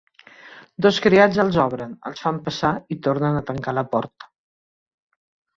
Dos criats els obren, els fan passar i tornen a tancar la porta.